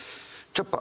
ちょっぱ？